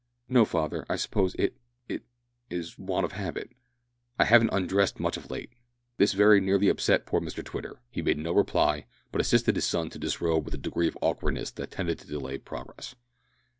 "No, father. I suppose it it is want of habit. I haven't undressed much of late." This very nearly upset poor Mr Twitter. He made no reply, but assisted his son to disrobe with a degree of awkwardness that tended to delay progress.